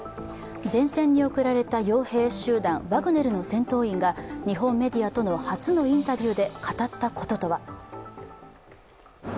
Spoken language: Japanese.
前線に送られたよう兵集団ワグネルの戦闘員が日本メディアとの初のインタビューで語ったこととは。